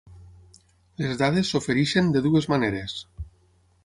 Les dades s'ofereixen de dues maneres.